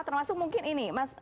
termasuk mungkin ini